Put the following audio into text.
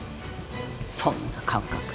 そんな感覚